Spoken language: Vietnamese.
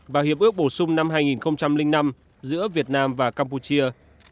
và hiệp ước bổ sung năm hai nghìn năm giữa việt nam và campuchia